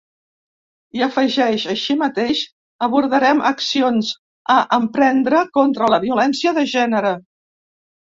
I afegeix: Així mateix, abordarem accions a emprendre contra la violència de gènere.